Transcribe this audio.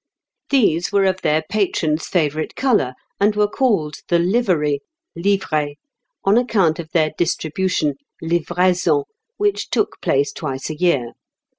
These were of their patron's favourite colour, and were called the livery (livrée), on account of their distribution (livraison), which took place twice a year.